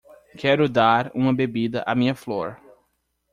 Quero dar uma bebida à minha flor.